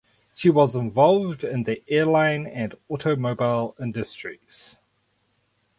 She was involved in the airline and automobile industries.